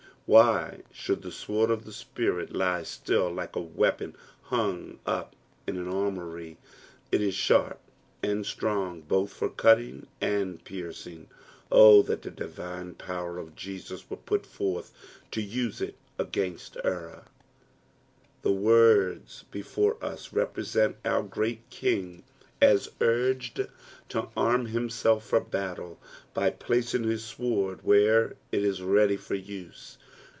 Why should the sword of the Spirit lie still, like a weapon hung up in an armoury ; it is sharp and strong, both for cutting and piercing ; O that the divine power of Jeaus were put forth to use it against error. The words before us represent our great Eing as urged to arm himself for battle, by placing his sword where it is ready for use.